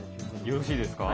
よろしいですか。